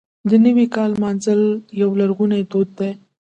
د نوي کال لمانځل یو لرغونی دود دی.